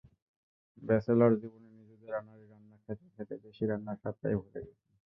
Bachelor জীবনে নিজেদের আনাড়ি রান্না খেতে খেতে দেশি রান্নার স্বাদটাই ভুলে গেছি।